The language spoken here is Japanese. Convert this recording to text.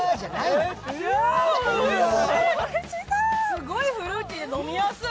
すごいフルーティーで飲みやすい。